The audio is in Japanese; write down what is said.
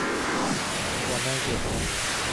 輪投げ